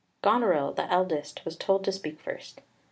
Goneril, the eldest, was told to speak first.